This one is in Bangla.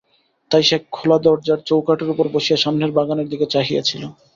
তাই সে খোলা দরজার চৌকাঠের উপর বসিয়া সামনের বাগানের দিকে চাহিয়া ছিল।